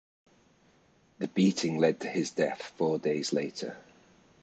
The beating led to his death four days later.